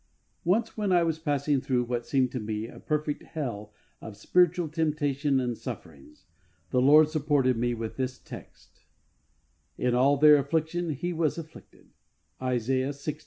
Once when I was passing through what seemed to me a perfect bell of spiritual temptation and sufferings, the Lord supported UNION WITH JESUS. 65 me with this text, " In all their affliction He was afflicted " (Isaiah lx.